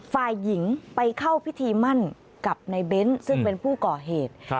ฝ่ายหญิงไปเข้าพิธีมั่นกับในเบ้นซึ่งเป็นผู้ก่อเหตุ